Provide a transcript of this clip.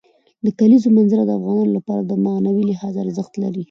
د کلیزو منظره د افغانانو لپاره په معنوي لحاظ ارزښت لري.